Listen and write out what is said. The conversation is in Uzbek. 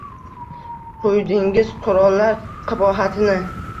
Quydingiz qurollar qabohatini